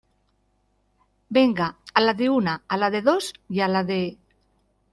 venga, a la de una , a la de dos y a la de...